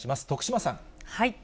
徳島さん。